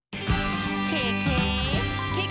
「ケケ！